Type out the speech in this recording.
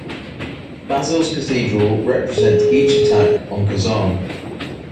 Basil's Cathedral represent each attack on Kazan.